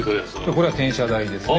これは転車台ですね。